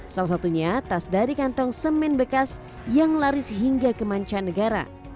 salah satunya tas dari kantong semen bekas yang laris hingga ke mancanegara